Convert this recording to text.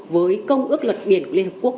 với công ước luật biển của liên hợp quốc